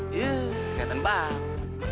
iya keliatan banget